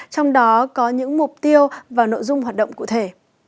trong đó có những mục tiêu và nội dung hoạt động cụ thể